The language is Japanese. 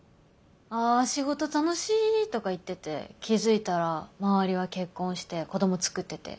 「あ仕事楽しい」とか言ってて気付いたら周りは結婚して子どもつくってて。